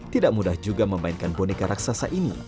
tidak mudah juga memainkan boneka raksasa ini